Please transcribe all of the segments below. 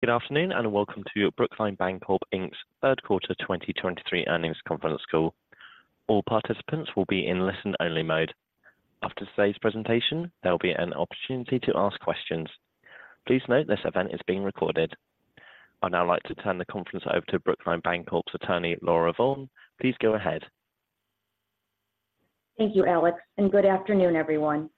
Good afternoon, and welcome to Brookline Bancorp, Inc.'s Third Quarter 2023 Earnings Conference Call. All participants will be in listen-only mode. After today's presentation, there will be an opportunity to ask questions. Please note, this event is being recorded. I'd now like to turn the conference over to Brookline Bancorp's attorney, Marissa S. Martin. Please go ahead. Thank you, Alex, and good afternoon, everyone.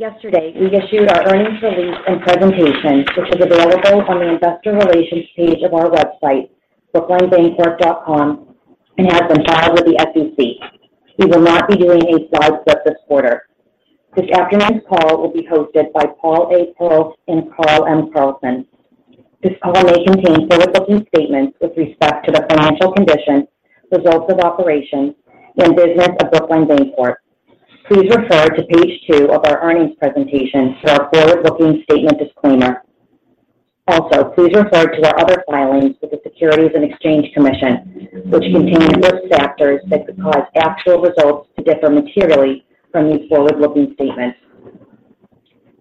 Yesterday, we issued our earnings release and presentation, which is available on the investor relations page of our website, brooklinebancorp.com, and has been filed with the SEC. We will not be doing a slide set this quarter. This afternoon's call will be hosted by Paul A. Perrault and Carl M. Carlson. This call may contain forward-looking statements with respect to the financial condition, results of operations, and business of Brookline Bancorp. Please refer to page two of our earnings presentation for our forward-looking statement disclaimer. Also, please refer to our other filings with the Securities and Exchange Commission, which contain risk factors that could cause actual results to differ materially from these forward-looking statements.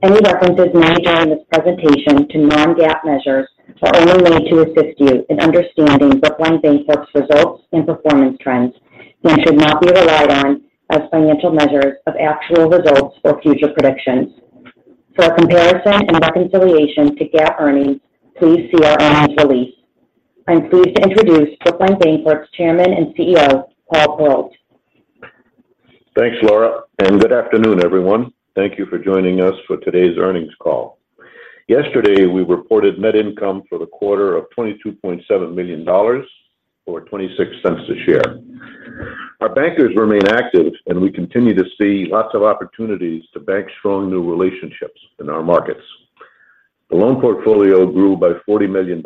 Any references made during this presentation to non-GAAP measures are only made to assist you in understanding Brookline Bancorp's results and performance trends and should not be relied on as financial measures of actual results or future predictions. For a comparison and reconciliation to GAAP earnings, please see our earnings release. I'm pleased to introduce Brookline Bancorp's Chairman and CEO, Paul A. Perrault. Thanks, Marissa, and good afternoon, everyone. Thank you for joining us for today's earnings call. Yesterday, we reported net income for the quarter of $22.7 million or $0.26 a share. Our bankers remain active, and we continue to see lots of opportunities to bank strong new relationships in our markets. The loan portfolio grew by $40 million,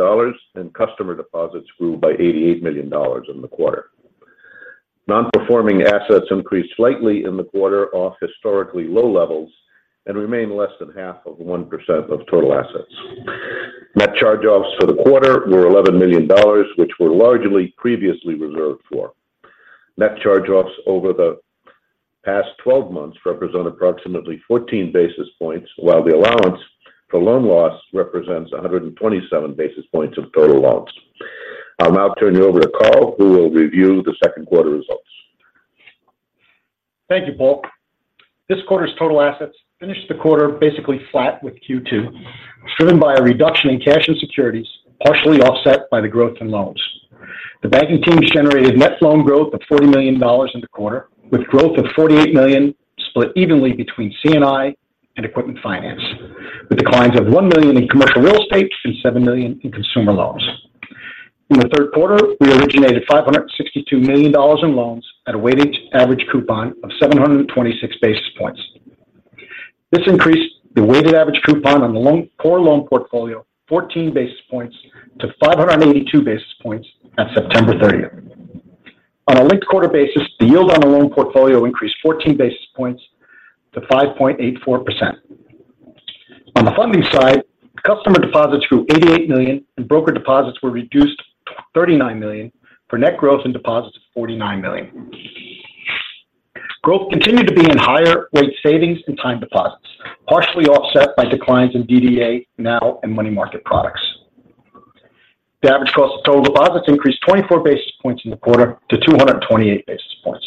and customer deposits grew by $88 million in the quarter. Non-performing assets increased slightly in the quarter off historically low levels and remain less than half of 1% of total assets. Net charge-offs for the quarter were $11 million, which were largely previously reserved for. Net charge-offs over the past 12 months represent approximately 14 basis points, while the allowance for loan loss represents 127 basis points of total loans. I'll now turn you over to Carl, who will review the second quarter results. Thank you, Paul. This quarter's total assets finished the quarter basically flat with Q2, driven by a reduction in cash and securities, partially offset by the growth in loans. The banking teams generated net loan growth of $40 million in the quarter, with growth of $48 million split evenly between C&I and equipment finance, with declines of $1 million in commercial real estate and $7 million in consumer loans. In the third quarter, we originated $562 million in loans at a weighted average coupon of 726 basis points. This increased the weighted average coupon on the core loan portfolio 14 basis points to 582 basis points at September 30. On a linked-quarter basis, the yield on the loan portfolio increased 14 basis points to 5.84%. On the funding side, customer deposits grew $88 million, and broker deposits were reduced $39 million for net growth in deposits of $49 million. Growth continued to be in higher rate savings and time deposits, partially offset by declines in DDA, NOW and Money Market products. The average cost of total deposits increased 24 basis points in the quarter to 228 basis points.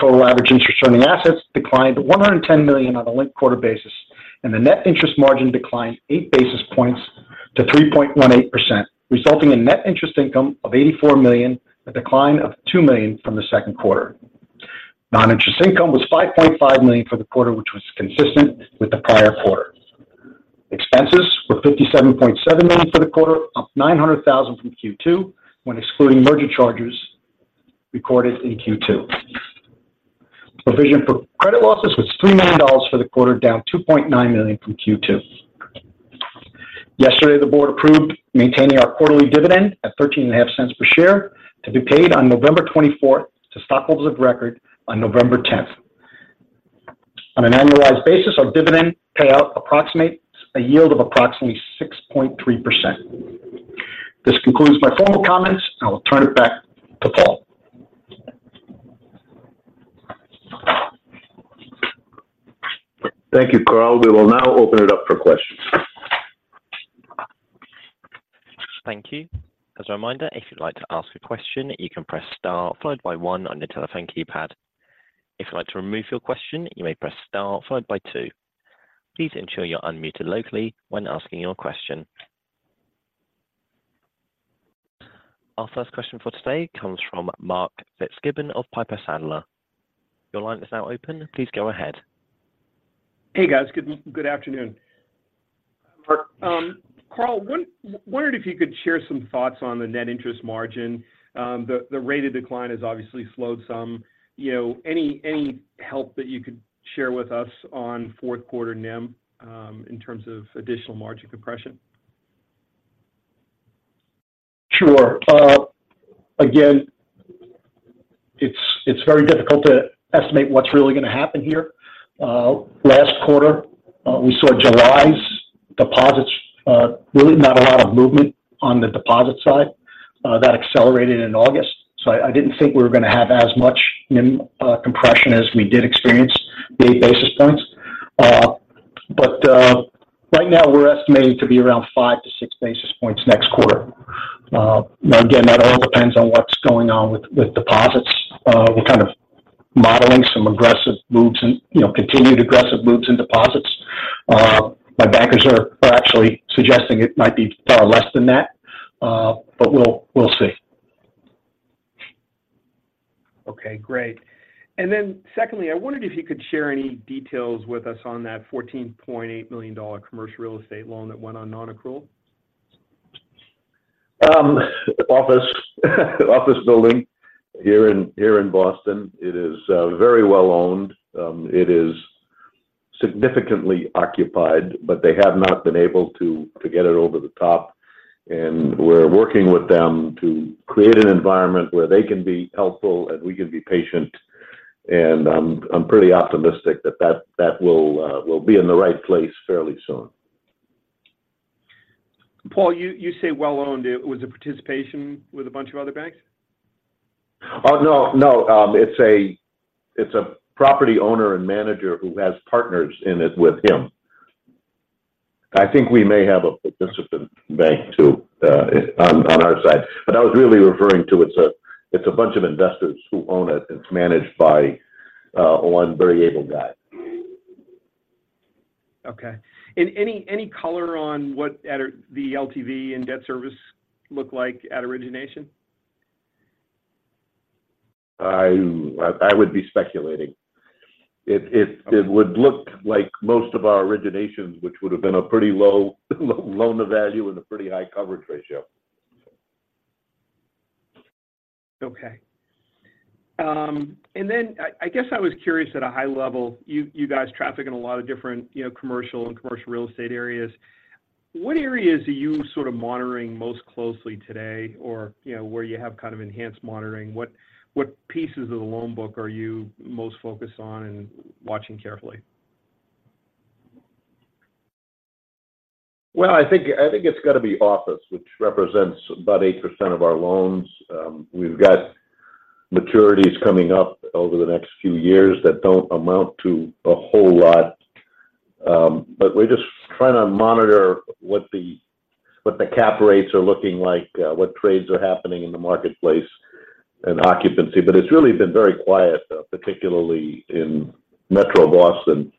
Total average interest earning assets declined to $110 million on a linked quarter basis, and the net interest margin declined 8 basis points to 3.18%, resulting in net interest income of $84 million, a decline of $2 million from the second quarter. Non-interest income was $5.5 million for the quarter, which was consistent with the prior quarter. Expenses were $57.7 million for the quarter, up $900,000 from Q2, when excluding merger charges recorded in Q2. Provision for credit losses was $3 million for the quarter, down $2.9 million from Q2. Yesterday, the board approved maintaining our quarterly dividend at $0.135 per share to be paid on November 24 to stockholders of record on November 10. On an annualized basis, our dividend payout approximates a yield of approximately 6.3%. This concludes my formal comments, and I will turn it back to Paul. Thank you, Carl. We will now open it up for questions. Thank you. As a reminder, if you'd like to ask a question, you can press star followed by one on your telephone keypad. If you'd like to remove your question, you may press star followed by two. Please ensure you're unmuted locally when asking your question. Our first question for today comes from Mark Fitzgibbon of Piper Sandler. Your line is now open. Please go ahead. Hey, guys. Good afternoon. Carl, I wondered if you could share some thoughts on the net interest margin. The rate of decline has obviously slowed some. You know, any help that you could share with us on fourth quarter NIM, in terms of additional margin compression? Sure. Again, it's very difficult to estimate what's really going to happen here. Last quarter, we saw July's deposits really not a lot of movement on the deposit side that accelerated in August. So I didn't think we were going to have as much NIM compression as we did experience, 8 basis points. But right now we're estimating to be around 5-6 basis points next quarter. Now, again, that all depends on what's going on with deposits. We're kind of modeling some aggressive moves and, you know, continued aggressive moves in deposits. My bankers are actually suggesting it might be far less than that, but we'll see. Okay, great. And then secondly, I wondered if you could share any details with us on that $14.8 million commercial real estate loan that went on nonaccrual? Office building here in Boston. It is very well-owned. It is significantly occupied, but they have not been able to get it over the top, and we're working with them to create an environment where they can be helpful, and we can be patient. I'm pretty optimistic that that will be in the right place fairly soon. Paul, you say well-owned. Was the participation with a bunch of other banks? No, no. It's a property owner and manager who has partners in it with him. I think we may have a participant bank, too, on our side, but I was really referring to it's a bunch of investors who own it. It's managed by one very able guy. Okay. And any color on what the LTV and debt service look like at origination? I would be speculating. Okay. It would look like most of our originations, which would have been a pretty low loan-to-value and a pretty high coverage ratio. Okay. And then I guess I was curious at a high level, you guys traffic in a lot of different, you know, commercial and commercial real estate areas. What areas are you sort of monitoring most closely today, or, you know, where you have kind of enhanced monitoring? What pieces of the loan book are you most focused on and watching carefully? Well, I think, I think it's got to be office, which represents about 8% of our loans. We've got maturities coming up over the next few years that don't amount to a whole lot. But we're just trying to monitor what the, what the cap rates are looking like, what trades are happening in the marketplace and occupancy. But it's really been very quiet, though, particularly in metro Boston.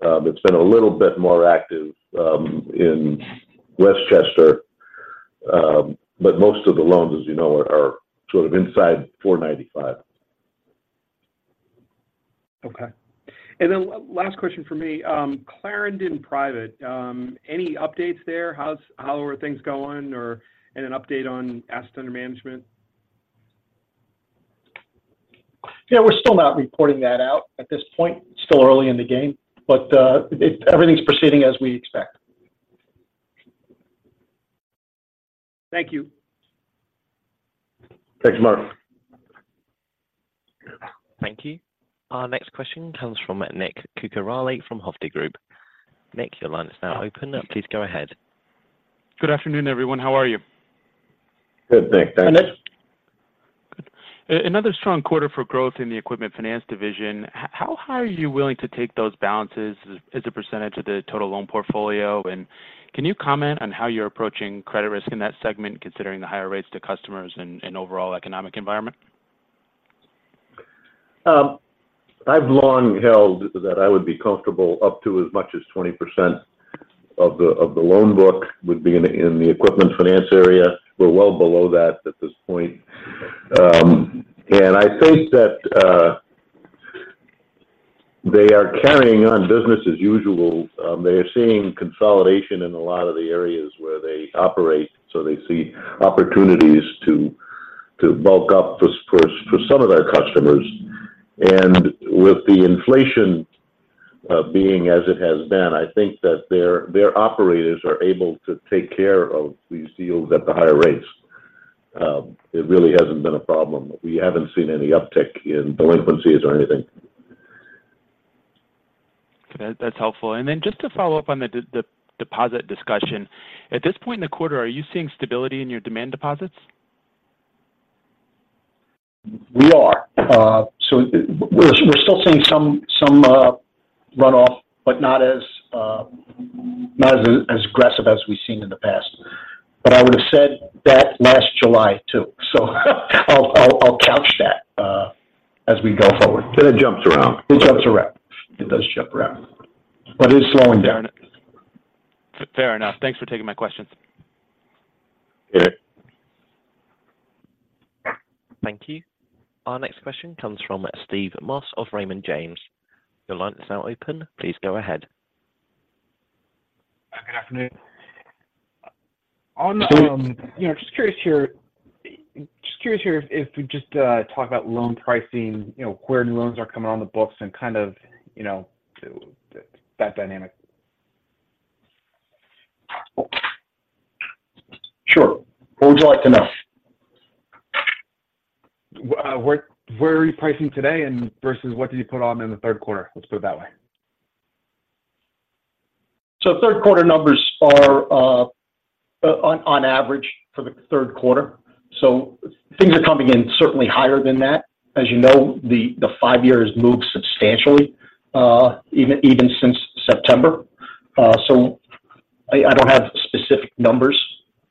It's been a little bit more active in Westchester, but most of the loans, as you know, are sort of inside 495. Okay. And then last question for me. Clarendon Private, any updates there? How are things going, or and an update on asset under management? Yeah, we're still not reporting that out at this point. Still early in the game, but everything's proceeding as we expect. Thank you. Thanks, Mark. Thank you. Our next question comes from Nick Cucharale from Hovde Group. Nick, your line is now open. Please go ahead. Good afternoon, everyone. How are you? Good, thanks. Thanks. Hi, Nick. Good. Another strong quarter for growth in the equipment finance division. How high are you willing to take those balances as a percentage of the total loan portfolio? And can you comment on how you're approaching credit risk in that segment, considering the higher rates to customers and overall economic environment? I've long held that I would be comfortable up to as much as 20% of the loan book would be in the equipment finance area. We're well below that at this point. I think that they are carrying on business as usual. They are seeing consolidation in a lot of the areas where they operate, so they see opportunities to bulk up for some of their customers. With the inflation being as it has been, I think that their operators are able to take care of these deals at the higher rates. It really hasn't been a problem. We haven't seen any uptick in delinquencies or anything. Okay, that's helpful. And then just to follow up on the deposit discussion. At this point in the quarter, are you seeing stability in your demand deposits? We are. So we're still seeing some runoff, but not as aggressive as we've seen in the past. But I would have said that last July, too. So I'll couch that as we go forward. It jumps around. It jumps around. It does jump around. But it's slowing down. Fair enough. Fair enough. Thanks for taking my questions. Yeah. Thank you. Our next question comes from Steve Moss of Raymond James. Your line is now open. Please go ahead. Good afternoon. On, Hello. You know, just curious here if we just talk about loan pricing, you know, where new loans are coming on the books and kind of, you know, that dynamic. Sure. What would you like to know? Where, where are you pricing today and versus what did you put on in the third quarter? Let's put it that way. So third quarter numbers are, on average for the third quarter, so things are coming in certainly higher than that. As you know, the five year has moved substantially, even since September. So I don't have specific numbers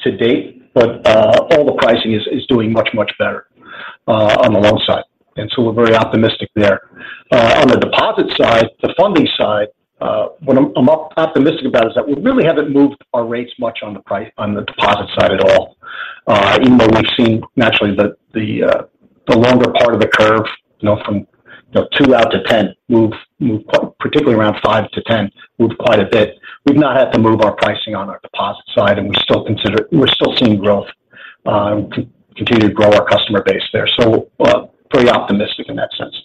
to date, but all the pricing is doing much better on the loan side, and so we're very optimistic there. On the deposit side, the funding side, what I'm optimistic about is that we really haven't moved our rates much on the deposit side at all. Even though we've seen naturally the longer part of the curve, you know, from two out to 10, move particularly around five to 10, moved quite a bit. We've not had to move our pricing on our deposit side, and we still consider we're still seeing growth, continue to grow our customer base there, so pretty optimistic in that sense.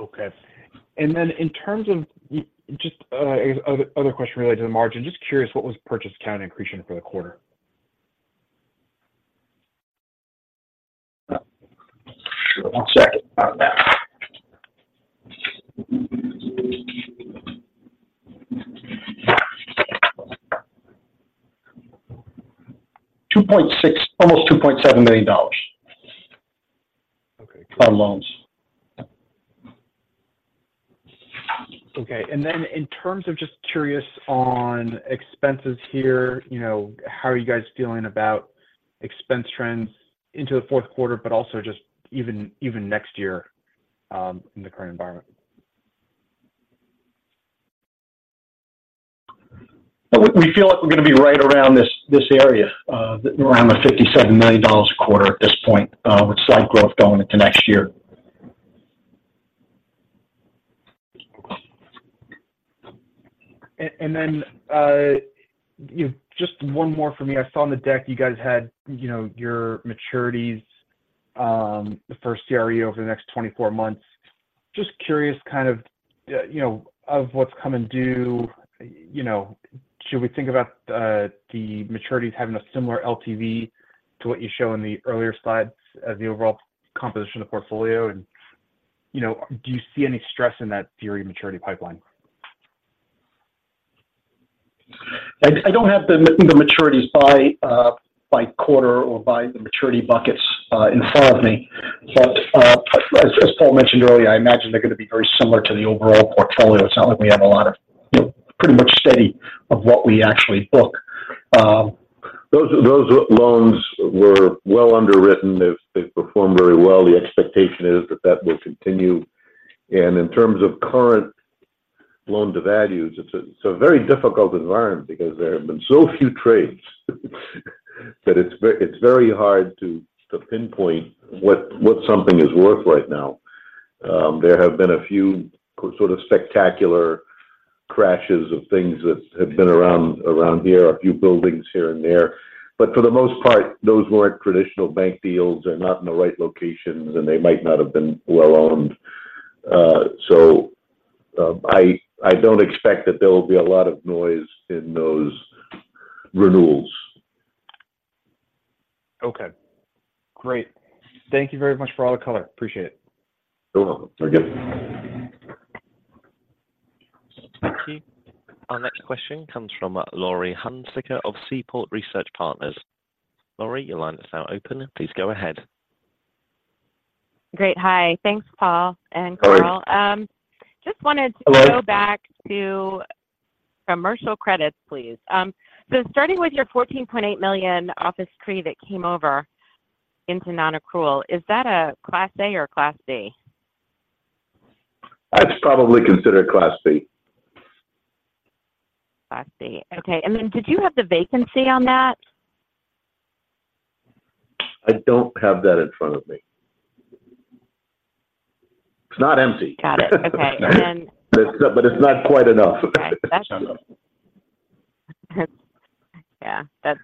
Okay. And then in terms of just other question related to the margin, just curious, what was purchase accounting accretion for the quarter? One second. $2.6 million almost $2.7 million. Okay. On loans. Okay. Then, in terms of just curious on expenses here, you know, how are you guys feeling about expense trends into the fourth quarter, but also just even next year, in the current environment? Well, we feel like we're gonna be right around this area, around the $57 million a quarter at this point, with slight growth going into next year. And then, you know, just one more for me. I saw on the deck you guys had, you know, your maturities, the first CRE over the next 24 months. Just curious, kind of, you know, of what's coming due. You know, should we think about the maturities having a similar LTV to what you show in the earlier slides as the overall composition of the portfolio? And, you know, do you see any stress in that CRE maturity pipeline? I don't have the maturities by quarter or by the maturity buckets in front of me. But as Paul mentioned earlier, I imagine they're gonna be very similar to the overall portfolio. It's not like we have a lot of, you know, pretty much steady of what we actually book. Those, those loans were well underwritten. They've, they've performed very well. The expectation is that will continue. In terms of current loan-to-values, it's a very difficult environment because there have been so few trades, that it's very hard to pinpoint what something is worth right now. There have been a few sort of spectacular crashes of things that have been around here, a few buildings here and there, but for the most part, those weren't traditional bank deals. They're not in the right locations, and they might not have been well-owned. I don't expect that there will be a lot of noise in those renewals. Okay. Great. Thank you very much for all the color. Appreciate it. You're welcome. Thank you. Thank you. Our next question comes from Laurie Hunsicker of Seaport Research Partners. Laurie, your line is now open. Please go ahead. Great. Hi. Thanks, Paul and Carl. Hello. Just wanted to- Hello go back to commercial credits, please. So starting with your $14.8 million office CRE that came over into non-accrual, is that a Class A or Class B? I'd probably consider it Class B. Class B. Okay, and then did you have the vacancy on that? I don't have that in front of me. It's not empty. Got it. Okay, and- But it's not quite enough. Right. Yeah, that's,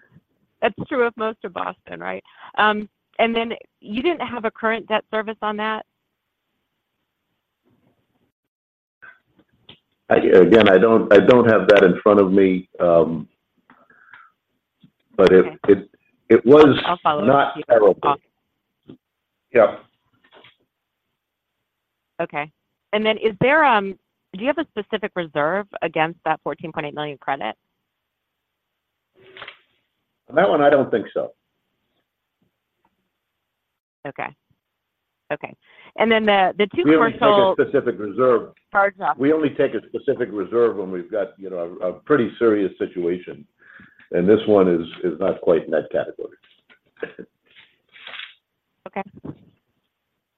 that's true of most of Boston, right? And then you didn't have a current debt service on that? Again, I don't have that in front of me, but it- Okay it was- I'll follow up with you. Not applicable. Yep. Okay. And then is there, do you have a specific reserve against that $14.8 million credit? On that one, I don't think so. Okay. Okay, and then the two commercial- We only take a specific reserve. Charge-off. We only take a specific reserve when we've got, you know, a pretty serious situation, and this one is not quite in that category. Okay.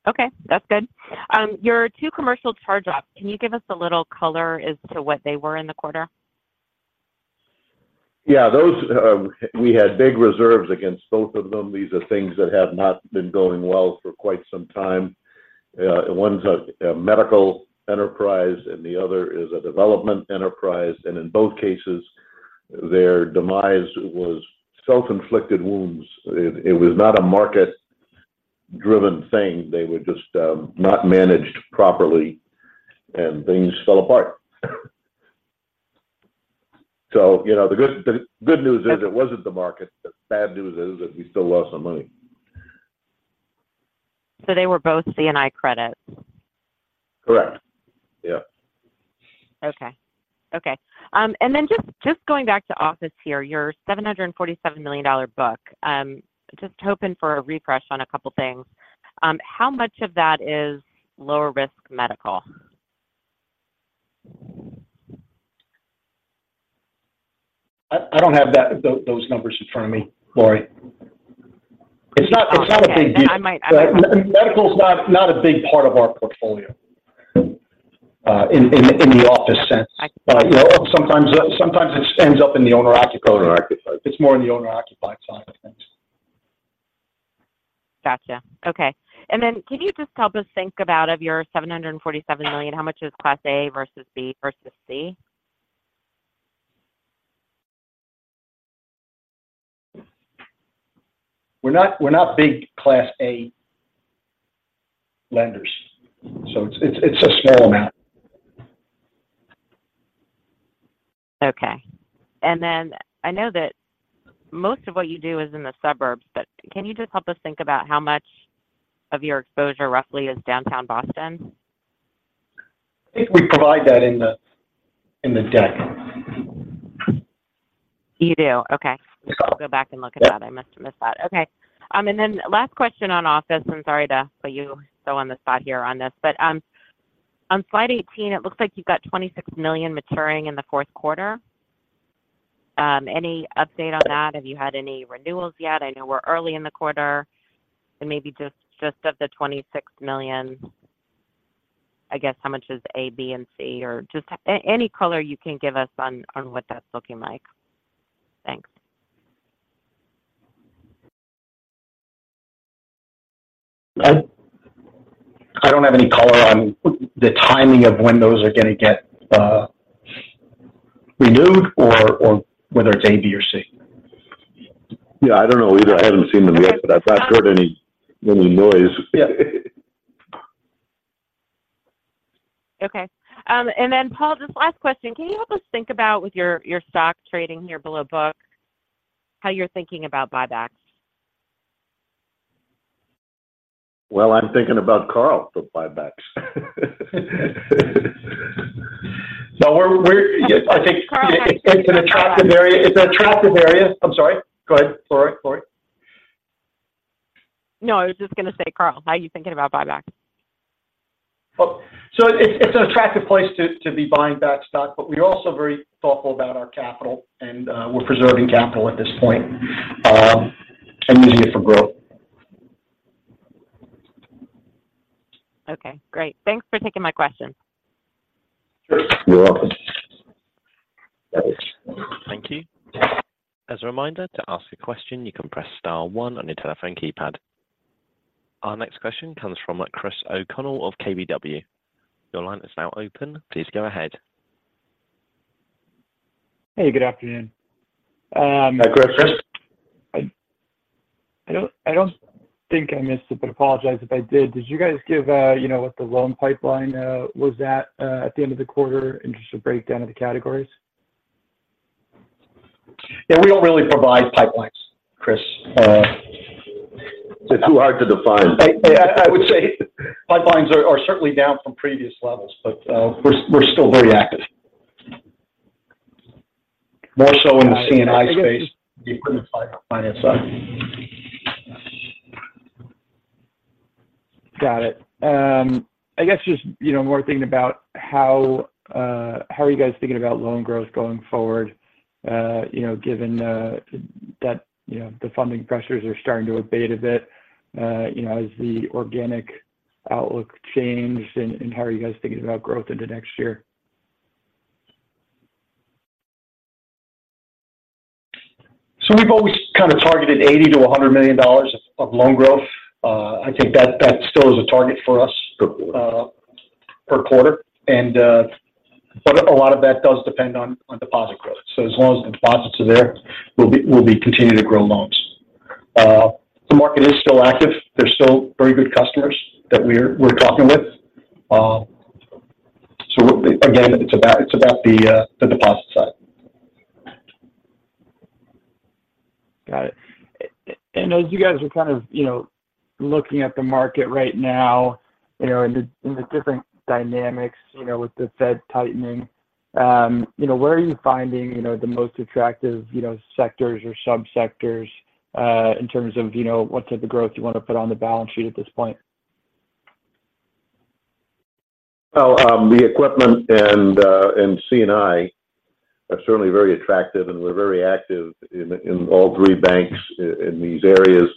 Okay, that's good. Your two commercial charge-offs, can you give us a little color as to what they were in the quarter? Yeah, those, we had big reserves against both of them. These are things that have not been going well for quite some time. One's a medical enterprise and the other is a development enterprise, and in both cases, their demise was self-inflicted wounds. It was not a market-driven thing. They were just not managed properly, and things fell apart. So, you know, the good news is it wasn't the market. The bad news is that we still lost some money. So they were both C&I credits? Correct. Yeah. Okay. Okay, and then just, just going back to office here, your $747 million book, just hoping for a refresh on a couple things. How much of that is lower risk medical? I don't have that, those numbers in front of me, Laurie. It's not a big deal. And I might- Medical's not a big part of our portfolio in the office sense. I- You know, sometimes it ends up in the owner-occupied. Owner-occupied. It's more in the owner-occupied side of things. Got you. Okay. And then can you just help us think about, of your $747 million, how much is Class A versus B versus C? We're not big Class A lenders, so it's a small amount. Okay. And then I know that most of what you do is in the suburbs, but can you just help us think about how much of your exposure roughly is downtown Boston? I think we provide that in the deck. You do? Okay. Yes. I'll go back and look at that. I must have missed that. Okay. And then last question on office, I'm sorry to put you so on the spot here on this, but on slide 18, it looks like you've got $26 million maturing in the fourth quarter. Any update on that? Have you had any renewals yet? I know we're early in the quarter, and maybe just, just of the $26 million, I guess, how much is A, B, and C, or just any color you can give us on what that's looking like? Thanks. I don't have any color on the timing of when those are going to get renewed or whether it's A, B, or C. Yeah, I don't know either. I haven't seen them yet, but I've not heard any noise. Yeah. Okay. Then Paul, just last question. Can you help us think about with your stock trading here below book, how you're thinking about buybacks? Well, I'm thinking about Carl for buybacks. I think it's an attractive area. It's an attractive area. I'm sorry. Go ahead, Laurie. Laurie. No, I was just going to say, Carl, how are you thinking about buybacks? Well, so it's an attractive place to be buying back stock, but we're also very thoughtful about our capital, and we're preserving capital at this point, and using it for growth. Okay, great. Thanks for taking my questions. Sure. You're welcome. Thank you. As a reminder, to ask a question, you can press star one on your telephone keypad. Our next question comes from Chris O'Connell of KBW. Your line is now open. Please go ahead. Hey, good afternoon. Hi, Chris. I don't think I missed it, but apologize if I did. Did you guys give, you know, what the loan pipeline was at, at the end of the quarter, interest or breakdown of the categories? Yeah, we don't really provide pipelines, Chris. They're too hard to define. I would say pipelines are certainly down from previous levels, but we're still very active. More so in the C&I space. The equipment side, finance side. Got it. I guess just, you know, more thinking about how are you guys thinking about loan growth going forward, you know, given that, you know, the funding pressures are starting to abate a bit, you know, has the organic outlook changed? And how are you guys thinking about growth into next year? So we've always kind of targeted $80 million-$100 million of loan growth. I think that still is a target for us- Per quarter. Per quarter. But a lot of that does depend on deposit growth. So as long as the deposits are there, we'll be continuing to grow loans. The market is still active. There's still very good customers that we're talking with. So again, it's about the deposit side. Got it. And as you guys are kind of, you know, looking at the market right now, you know, in the different dynamics, you know, with the Fed tightening, you know, where are you finding, you know, the most attractive, you know, sectors or subsectors, in terms of, you know, what type of growth you want to put on the balance sheet at this point? Well, the equipment and C&I are certainly very attractive, and we're very active in all three banks in these areas.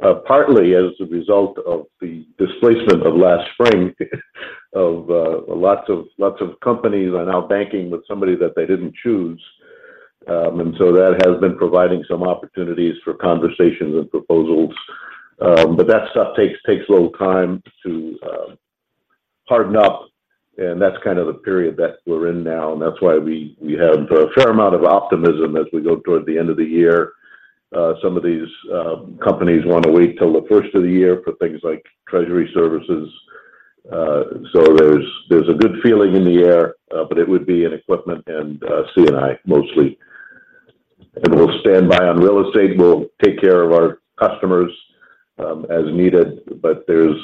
Partly as a result of the displacement of last spring, lots of companies are now banking with somebody that they didn't choose. That has been providing some opportunities for conversations and proposals. That stuff takes a little time to harden up, and that's kind of the period that we're in now, and that's why we have a fair amount of optimism as we go toward the end of the year. Some of these companies want to wait till the first of the year for things like treasury services. There's a good feeling in the air, but it would be in equipment and C&I mostly. We'll stand by on real estate. We'll take care of our customers, as needed, but there's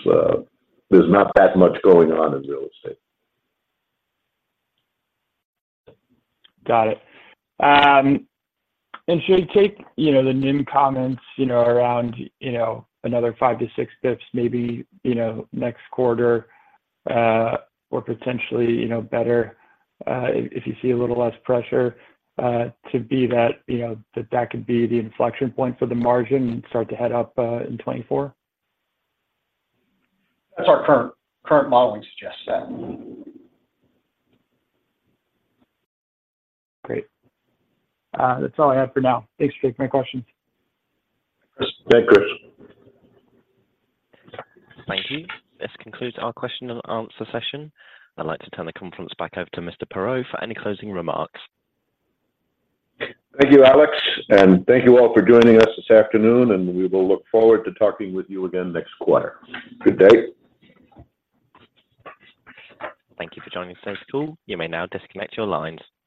not that much going on in real estate. Got it. And should we take, you know, the NIM comments, you know, around, you know, another five to six dips, maybe, you know, next quarter, or potentially, you know, better, if you see a little less pressure, to be that, you know, that that could be the inflection point for the margin and start to head up, in 2024? That's our current. Current modeling suggests that. Great. That's all I have for now. Thanks for taking my questions. Thanks, Chris. Thank you. This concludes our question and answer session. I'd like to turn the conference back over to Mr. Perrault for any closing remarks. Thank you, Alex, and thank you all for joining us this afternoon, and we will look forward to talking with you again next quarter. Good day. Thank you for joining today's call. You may now disconnect your lines.